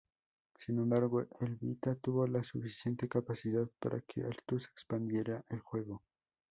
Sin embargo, el Vita tuvo las suficiente capacidad para que Altus expandiera el juego.